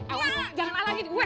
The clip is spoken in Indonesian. awas jangan ala lagi di gue